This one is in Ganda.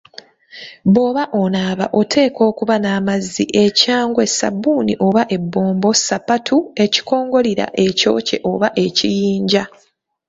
Bw'oba onaaba oteekwa okuba n'amazzi, ekyangwe, ssabbuni oba ebbombo, sapatu, ekikongolira ekyokye oba ekiyinja